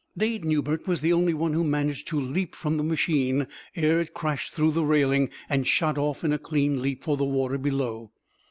Dade Newbert was the only one who managed to leap from the machine ere it crashed through that railing and shot off in a clean leap for the water below.